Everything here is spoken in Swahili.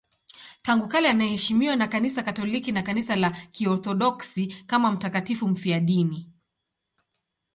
Tangu kale anaheshimiwa na Kanisa Katoliki na Kanisa la Kiorthodoksi kama mtakatifu mfiadini.